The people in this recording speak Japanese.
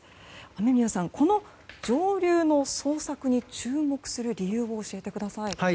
雨宮さん、この上流の捜索に注目する理由を教えてください。